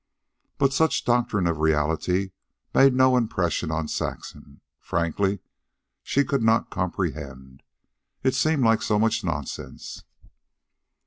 But such doctrine of reality made no impression on Saxon. Frankly, she could not comprehend. It seemed like so much nonsense.